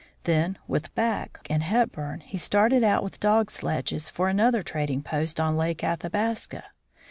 Then, with Back and Hep burn, he started out with dog sledges for another trading post on Lake Athabasca.